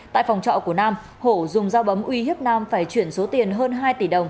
tại phòng trọ của nam hổ dùng dao bấm uy hiếp nam phải chuyển số tiền hơn hai tỷ đồng